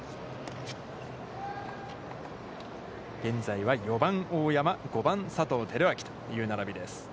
現在は４番大山、５番、佐藤輝明という並びます。